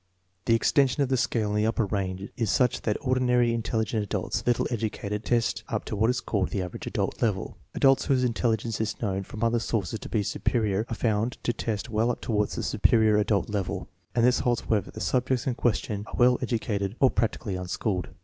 The extension of the scale in the upper range is such that ordinarily intelligent adults, little educated, test up to what is called the " average adult " level. Adults whose intelligence is known from other sources to be superior arc found to test well up toward the " superior adult " level, and tliis holds whether the subjects in question are well educated or practically unschooled.